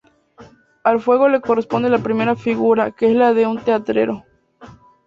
Al fuego le corresponde la primera figura, que es la de un tetraedro.